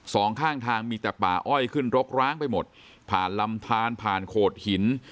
สองข้างทางมีแต่ป่าอ้อยขึ้นรกร้างไปหมดผ่านลำทานผ่านโขดหิน